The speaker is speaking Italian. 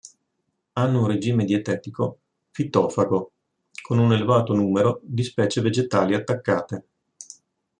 Hanno un regime dietetico fitofago, con un elevato numero di specie vegetali attaccate.